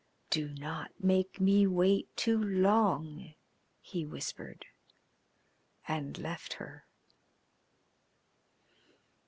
"Do not make me wait too long," he whispered, and left her.